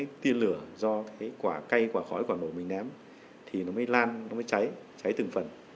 cái tiên lửa do cái quả cay quả khói quả nổ mình ném thì nó mới lan nó mới cháy cháy từng phần